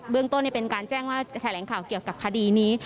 เรื่องต้นเป็นการแจ้งว่าจะแถลงข่าวเกี่ยวกับคดีนี้